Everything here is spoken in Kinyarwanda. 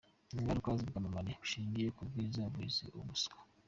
Ingaruka z’ubwamamare bushingiye ku bwiza buhishe ubuswa.